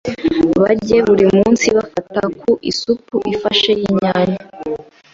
bajye buri munsi bafata ku isupu ifashe y'inyanya